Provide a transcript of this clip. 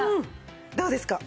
どうですか？